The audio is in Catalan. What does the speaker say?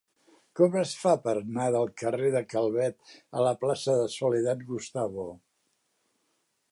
Com es fa per anar del carrer de Calvet a la plaça de Soledad Gustavo?